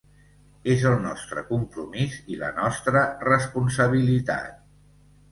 És el nostre compromís i la nostra responsabilitat.